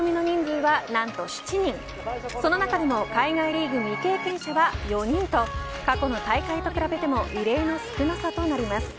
その中でも海外リーグ未経験者は４人と過去の大会と比べても異例の少なさとなります。